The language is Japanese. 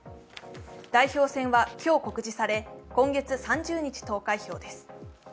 代表選は今日告示され、今月３０日投開票です。